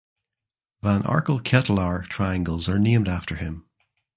Van Arkel–Ketelaar triangles are named after him.